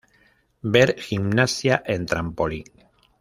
Ver Gimnasia en trampolín.